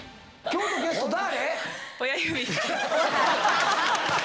今日のゲスト誰？